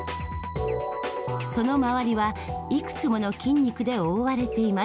その周りはいくつもの筋肉で覆われています。